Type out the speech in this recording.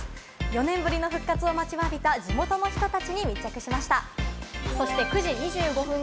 ４年ぶりの復活を待ちわびた、地元の人たちに密着しました。